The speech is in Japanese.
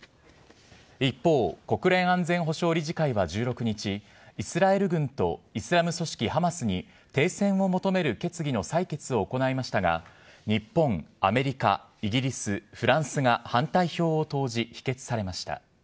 一方、国連安全保障理事会は１６日、イスラエル軍とイスラム組織ハマスに停戦を求める決議の採決を行いましたが、日本、アメリカ、イギリス、フランスが反対票を投じ、否決されました。